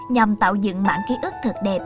nhằm tạo dựng mảng ký ức thật đẹp